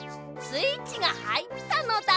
スイッチがはいったのだ。